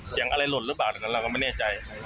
เสียงอะไรหล่นหรือเปล่าเราก็ไม่แน่ใจ